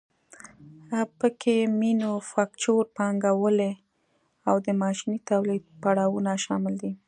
پکې مینوفکچور پانګوالي او د ماشیني تولید پړاوونه شامل دي